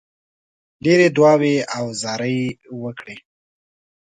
ډېرې دعاوي او زارۍ وکړې.